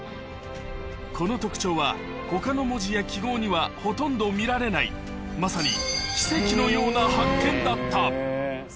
この特徴は、ほかの文字や記号には、ほとんど見られない、まさに奇跡のような発見だった。